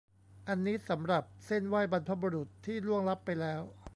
อันนี้สำหรับเซ่นไหว้บรรพบุรุษที่ล่วงลับไปแล้ว